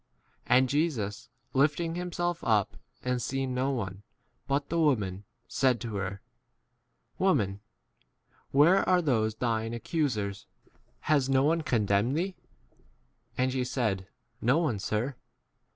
d And Jesus, lifting himself up and seeing no one but the woman, said to her, Woman where are those thine accusers ? Has no one condemned thee ? 11 And she said, No one, sir.